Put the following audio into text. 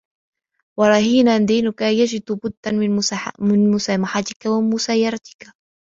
وَرَهِينَ دَيْنِك يَجِدُ بُدًّا مِنْ مُسَامَحَتِك وَمُيَاسَرَتِك